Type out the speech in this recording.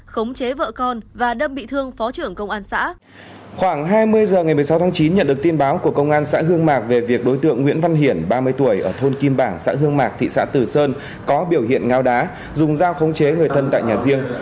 khoảng hai mươi h ngày một mươi sáu tháng chín nhận được tin báo của công an xã hương mạc về việc đối tượng nguyễn văn hiển ba mươi tuổi ở thôn kim bảng xã hương mạc thị xã tử sơn có biểu hiện ngao đá dùng dao khống chế người thân tại nhà riêng